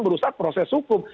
berusaha proses hukum